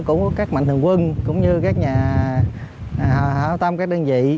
của các mạnh thường quân cũng như các nhà hảo tâm các đơn vị